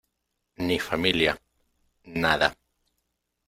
ni familia, nada.